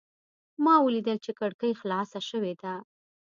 ما ولیدل چې کړکۍ خلاصه شوې ده.